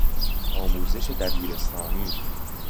آموزش دبیرستانی